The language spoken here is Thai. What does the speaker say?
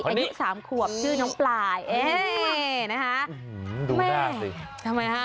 อันยุคสามขวบชื่อน้องปลายเอ่ยนะฮะดูได้สิทำไมฮะ